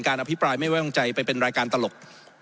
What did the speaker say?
อภิปรายไม่ไว้วางใจไปเป็นรายการตลก